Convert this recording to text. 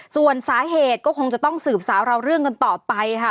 ส่วนสาเหตุก็คงจะต้องสืบสาวเราเรื่องกันต่อไปค่ะ